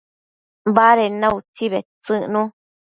baded na utsi bedtsëcnu